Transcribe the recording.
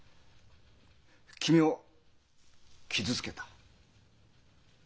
君を傷つけた。